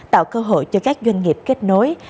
tạo cơ hội cho các doanh nghiệp kết nối